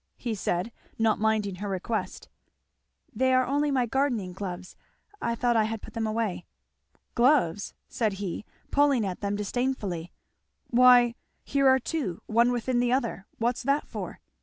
said he, not minding her request. "They are only my gardening gloves I thought I had put them away." "Gloves!" said he, pulling at them disdainfully, "why here are two one within the other what's that for?"